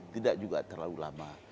tidak juga terlalu lama